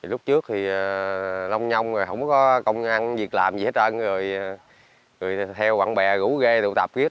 lúc trước thì lông nhông rồi không có công ăn việc làm gì hết trơn rồi theo bạn bè gũ ghê tụ tạp viết